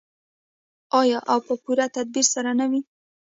آیا او په پوره تدبیر سره نه وي؟